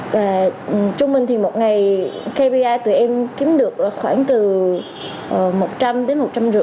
và trung bình thì một ngày kpi tụi em kiếm được là khoảng từ một trăm linh đến một trăm năm mươi